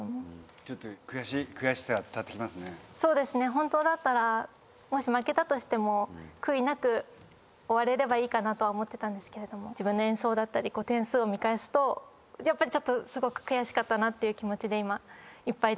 本当だったらもし負けたとしても悔いなく終われればいいかなとは思ってたんですけれども自分の演奏だったり点数を見返すとやっぱりすごく悔しかったなっていう気持ちで今いっぱいですね。